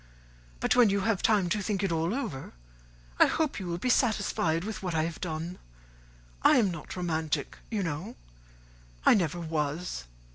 But when you have had time to think it all over, I hope you will be satisfied with what I have done. I am not romantic, you know. I never was.